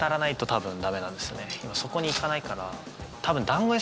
そこに行かないから多分。